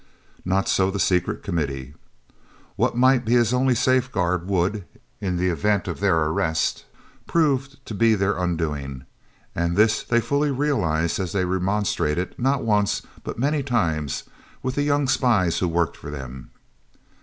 Not so the Secret Committee. What might be his only safeguard would, in the event of their arrest, prove to be their undoing, and this they fully realised as they remonstrated, not once, but many times, with the young spies who worked for them.